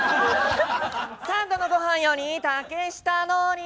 三度の御飯より竹下通り。